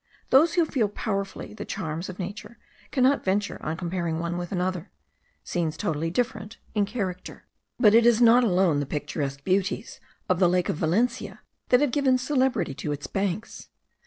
Those who feel powerfully the charms of nature cannot venture on comparing one with another, scenes totally different in character. But it is not alone the picturesque beauties of the lake of Valencia that have given celebrity to its banks.